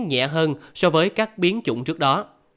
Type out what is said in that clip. nhẹ hơn so với các biến chủng trước đó